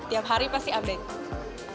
tiap hari pasti update